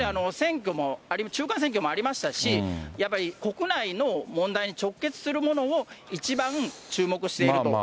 やはり中間選挙もありましたし、やっぱり国内の問題に直結するものを一番注目していると。